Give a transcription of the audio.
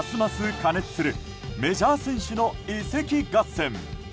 過熱するメジャー選手の移籍合戦。